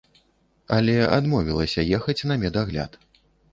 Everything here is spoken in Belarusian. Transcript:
Але адмовілася ехаць на медагляд.